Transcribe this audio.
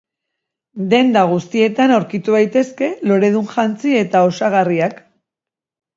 Denda guztietan aurkitu daitezke loredun jantzi eta osagarriak.